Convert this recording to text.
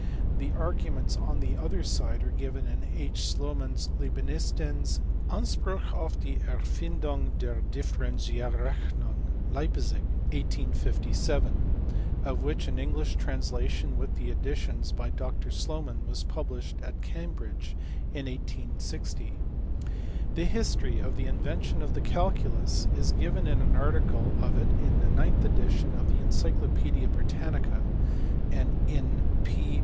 The arguments on the other side are given in H. Slornan s Leibnitzens Anspruch auf die Erfindung der Differ enzialreclmung, Leipzig, 1857, of which an English translation, with additions by Dr Slomau, was published at Cambridge in 1860. The history of the invention of the Jculus is given in an article on it in the ninth edition of the Encyclo paedia Britannica, and in P.